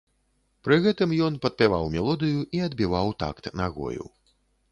Пры гэтым ён падпяваў мелодыю і адбіваў такт нагою.